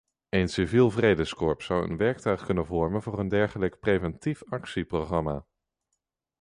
Een civiel vredeskorps zou een werktuig kunnen vormen voor een dergelijk preventief actieprogramma.